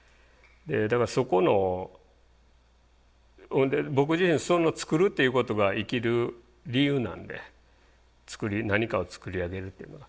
だからそこの僕自身作るっていうことが生きる理由なんで何かを作り上げるっていうのが。